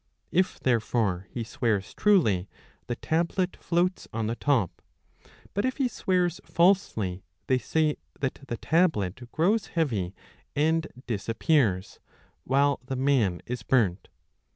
If therefore he swears truly, the tablet floats on the top ; but if he 15 swears falsely, they say that the tablet grows heavy and dis appears, while the man is burnt.